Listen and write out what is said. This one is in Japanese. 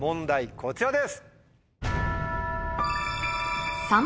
こちらです。